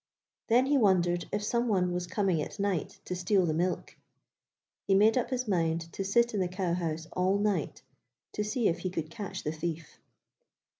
Then he wondered if some one was coming at night to steal the milk. He made up his mind to sit in the cow house all night to see if he could catch the thief.